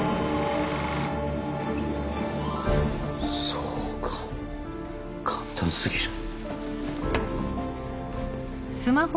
そうか簡単過ぎる。